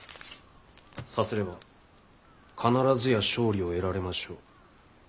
さすれば必ずや勝利を得られましょう。